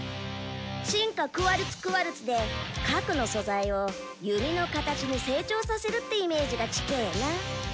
「進化」「クワルツ・クワルツ」で核の素材を「弓の形に成長させる」ってイメージが近えな。